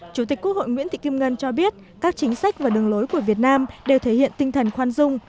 chủ tịch quốc hội nguyễn thị kim ngân cho biết các chính sách và đường lối của việt nam đều thể hiện tinh thần khoan dung